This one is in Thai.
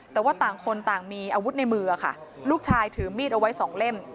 แต่ว่าต่างคนต่างมีอาวุธในมือค่ะลูกชายถือมีดเอาไว้สองเล่ม